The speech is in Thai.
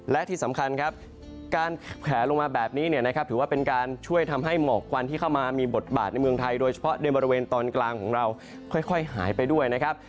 และที่สำคัญครับการแผลลงมาแบบนี้เนี่ยนะครับถือว่าเป็นการช่วยทำให้หมอกควันที่เข้ามามีบทบาทในเมืองไทยโดยเฉพาะในบริเวณตอนกลางของเราค่อยหายไปด้วยนะครับ